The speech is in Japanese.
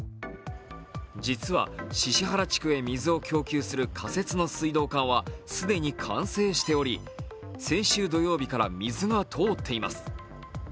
実は宍原地区へ水を供給する仮設の水道管は既に完成しており、先週土曜日から水が通っています。